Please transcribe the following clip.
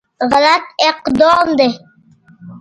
غلط اقدام دی.